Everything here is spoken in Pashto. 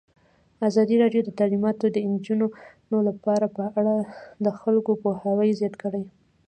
ازادي راډیو د تعلیمات د نجونو لپاره په اړه د خلکو پوهاوی زیات کړی.